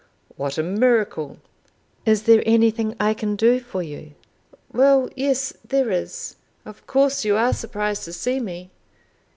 "What a miracle! Is there anything I can do for you?" "Well yes, there is. Of course you are surprised to see me?"